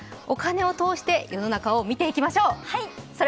お金を通して世の中を見ていきましょう。